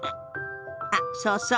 あっそうそう。